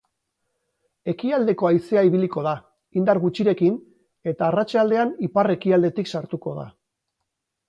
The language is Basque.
Ekialdeko haizea ibiliko da, indar gutxirekin, eta arratsaldean ipar-ekialdetik sartuko da.